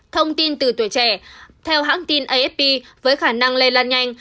thông tin từ tuổi trẻ theo hãng tin afp với khả năng lây lan nhanh